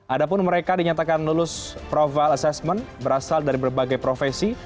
adapun mereka dinyatakan lulus profile assessment berasal dari berbagai profesi